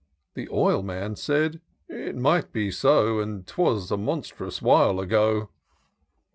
The Oihnan said, * It might be so ; And 'twas a monstrous while ago.'